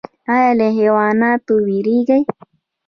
ایا له حیواناتو ویریږئ؟